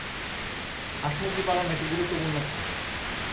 হাঁস-মুরগী পালন একটি গুরুত্বপূর্ণ খাত।